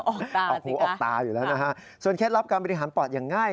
ออกตาออกหูออกตาอยู่แล้วนะฮะส่วนเคล็ดลับการบริหารปอดอย่างง่าย